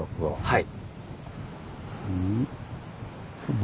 はい。